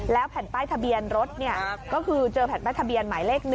แผ่นป้ายทะเบียนรถก็คือเจอแผ่นป้ายทะเบียนหมายเลข๑